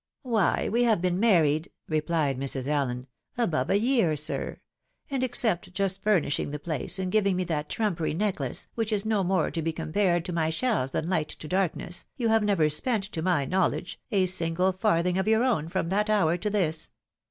" Why, we have been married," replied Mrs. Allen, "above a year, sir ; and except just furnishing the place, and giving me that trumpery necklace, which is no more to be compared to my shells than Mght to darkness, you have never spent, to my knowledge, a single farthing of your own, from that hour to this.